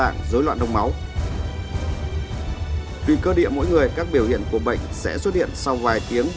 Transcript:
nhiễm khuẩn viên